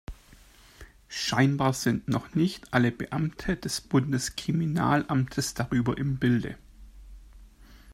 Scheinbar sind noch nicht alle Beamte des Bundeskriminalamtes darüber im Bilde.